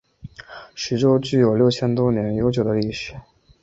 徐州具有六千多年悠久的历史。